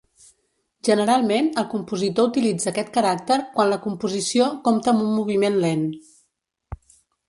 Generalment el compositor utilitza aquest caràcter quan la composició compta amb un moviment lent.